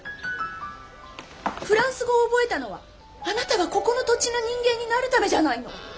フランス語を覚えたのはあなたがここの土地の人間になるためじゃないの。